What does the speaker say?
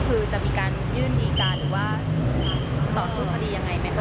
คือจะมีการยื่นดีการหรือว่าต่อสู้คดียังไงไหมคะ